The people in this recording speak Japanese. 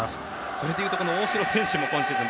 それでいうと大城選手も今シーズン